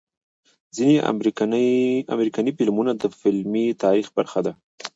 ځنې امريکني فلمونه د فلمي تاريخ برخه ده